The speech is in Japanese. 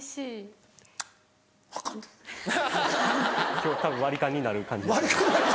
今日たぶん割り勘になる感じです。